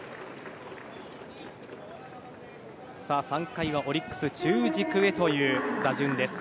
３回は、オリックス中軸へという打順です。